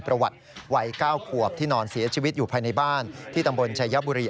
ประวัติวัย๙ขวบที่นอนเสียชีวิตอยู่ภายในบ้านที่ตำบลชายบุรี